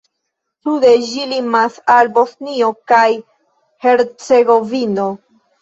Sude ĝi limas al Bosnio kaj Hercegovino.